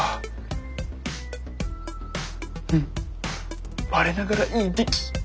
うん我ながらいい出来。